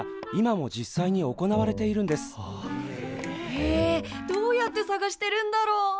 へえどうやって探してるんだろう。